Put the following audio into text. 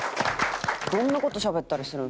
どんな事しゃべったりするん？